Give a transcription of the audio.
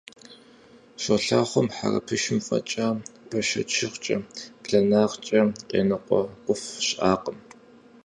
Щолэхъум хьэрыпышым фӀэкӀа бэшэчыгърэ, бланагъкӀэ къеныкъуэкъуф щыӀакъым.